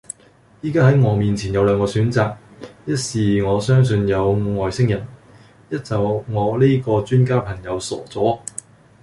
依家系我面前有兩個選擇，一是我相信有外星人，一就我呢個專家朋友傻左